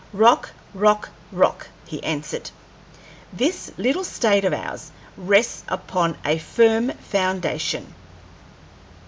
"Rock, rock, rock," he answered. "This little State of ours rests upon a firm foundation."